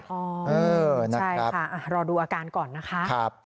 อ๋อใช่ค่ะรอดูอาการก่อนนะคะ